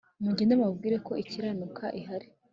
mugende mubabwire ko ikiranuka ihari